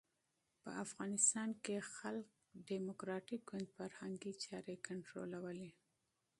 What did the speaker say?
په افغانستان کې خلق ډیموکراټیک ګوند فرهنګي چارې کنټرولولې.